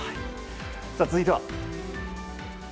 続いては。